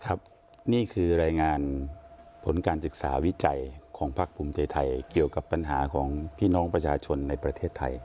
นี่คือรายงานผลการศึกษาวิจัยของพักภูมิใจไทยเกี่ยวกับปัญหาของพี่น้องประชาชนในประเทศไทย